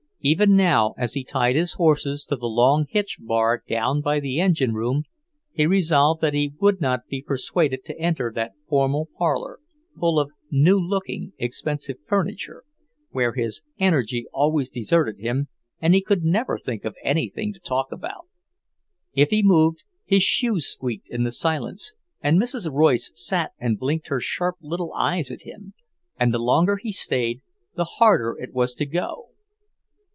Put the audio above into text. Even now, as he tied his horses to the long hitch bar down by the engine room, he resolved that he would not be persuaded to enter that formal parlour, full of new looking, expensive furniture, where his energy always deserted him and he could never think of anything to talk about. If he moved, his shoes squeaked in the silence, and Mrs. Royce sat and blinked her sharp little eyes at him, and the longer he stayed, the harder it was to go.